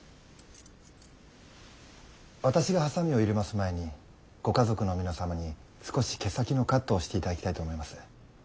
私がはさみを入れます前にご家族の皆様に少し毛先のカットをしていただきたいと思います。